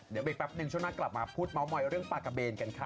เดี๋ยวอีกแปปนึงช่วงหน้ากลับมาพูดเม้ามอยเรื่องปากกะเบนกันค่ะ